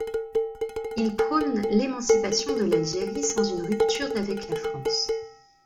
Il prône l'émancipation de l'Algérie sans une rupture d'avec la France.